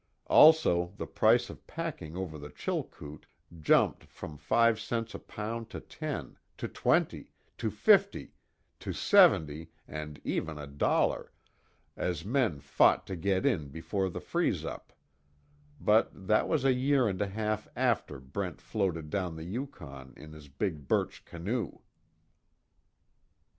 Also, the price of packing over the Chilkoot jumped from five cents a pound to ten, to twenty, to fifty, to seventy, and even a dollar, as men fought to get in before the freeze up but that was a year and a half after Brent floated down the Yukon in his big birch canoe.